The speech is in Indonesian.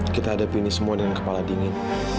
kita hadapi ini semua dengan kepala dingin